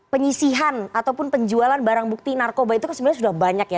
penyisihan ataupun penjualan barang bukti narkoba itu kan sebenarnya sudah banyak ya